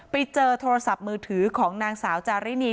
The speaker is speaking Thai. ไปเจอโทรศัพท์มือถือของนางสาวจารินี